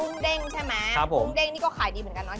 กรุงเด้งใช่ไหมครับผมนี่ก็ขายดีเหมือนกันเนอะครับ